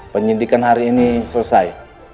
penyidikan hari ini selesai